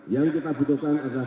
yang kita butuhkan adalah